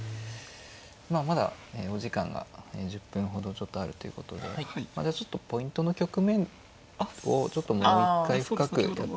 まあまだお時間が１０分ほどちょっとあるということでじゃあちょっとポイントの局面をもう一回深くやっていただいてもいいですか？